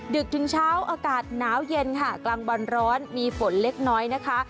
ดึกถึงเช้าอากาศหนาวเย็นค่ะกลางวันร้อนมีฝนเล็กน้อยนะคะ